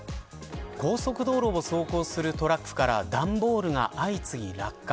高速道路を走行するトラックから段ボールが相次いで落下。